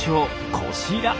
こちら！